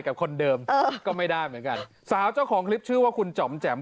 กับคนเดิมก็ไม่ได้เหมือนกันสาวเจ้าของคลิปชื่อว่าคุณจ๋อมแจ๋ม